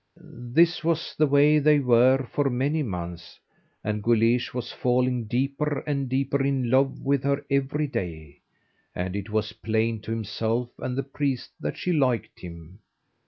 This was the way they were for many months, and Guleesh was falling deeper and deeper in love with her every day, and it was plain to himself and the priest that she liked him.